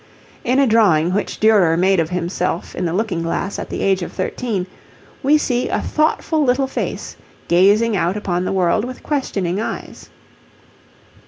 In a drawing which Durer made of himself in the looking glass at the age of thirteen, we see a thoughtful little face gazing out upon the world with questioning eyes.